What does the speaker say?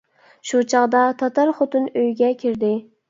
شۇ چاغدا تاتار خوتۇن ئۆيگە كىردى.